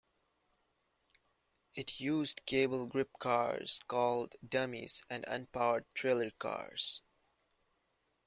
It used cable grip cars called "dummies" and un-powered trailer cars.